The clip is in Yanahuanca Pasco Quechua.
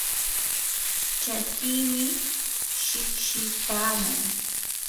chakiimi shiqshipaaman